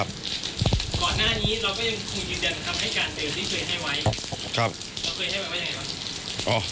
ไม่ใช่ครับ